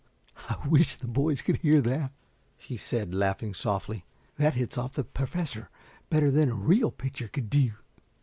"I wish the boys could hear that," he said, laughing softly. "That hits off the Professor better than a real picture could do."